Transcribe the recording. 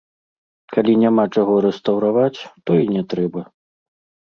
Калі няма чаго рэстаўраваць, то і не трэба.